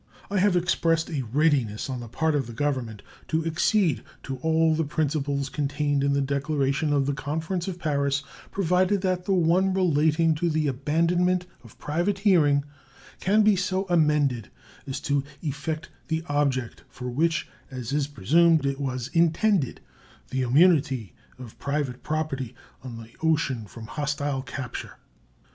I have expressed a readiness on the part of this Government to accede to all the principles contained in the declaration of the conference of Paris provided that the one relating to the abandonment of privateering can be so amended as to effect the object for which, as is presumed, it was intended the immunity of private property on the ocean from hostile capture.